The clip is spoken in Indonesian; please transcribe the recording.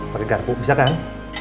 pakai garpu bisa kan